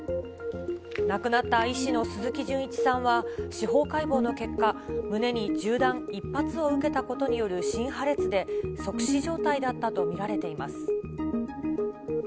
亡くなった医師の鈴木純一さんは、司法解剖の結果、胸に銃弾１発を受けたことによる心破裂で、即死状態だったと見られています。